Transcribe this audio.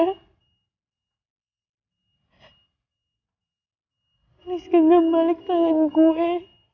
please genggam balik tangan gue